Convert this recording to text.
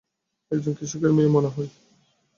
একজন কৃষকের মেয়ে, মনে হয়।